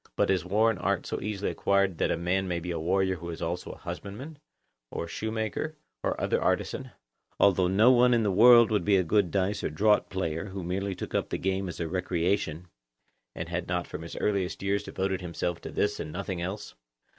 But is war an art so easily acquired that a man may be a warrior who is also a husbandman, or shoemaker, or other artisan; although no one in the world would be a good dice or draught player who merely took up the game as a recreation, and had not from his earliest years devoted himself to this and nothing else?